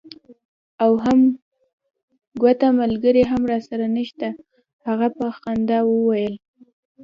او هم کوټه ملګری هم راسره نشته. هغه په خندا وویل.